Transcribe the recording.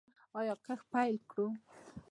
آیا کښت پیل کړو؟